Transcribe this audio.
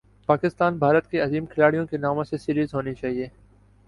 پاکستان بھارت کے عظیم کھلاڑیوں کے ناموں سے سیریز ہونی چاہیے